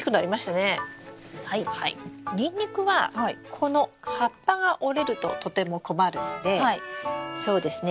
ニンニクはこの葉っぱが折れるととても困るのでそうですね